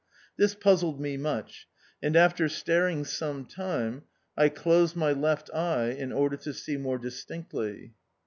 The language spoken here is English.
This puzzled me much, and after staring some time, I closed my left eye in order to see more distinctly.